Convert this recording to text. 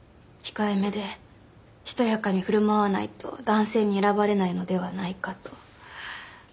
控えめでしとやかに振る舞わないと男性に選ばれないのではないかと。